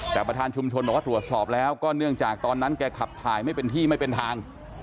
แต่ประธานชุมชนบอกว่าตรวจสอบแล้วก็เนื่องจากตอนนั้นแกขับถ่ายไม่เป็นที่ไม่เป็นทาง